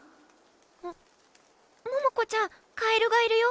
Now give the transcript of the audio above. んっ桃子ちゃんカエルがいるよ。